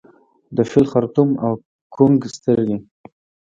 د فیل خړتوم او کونګ سترګي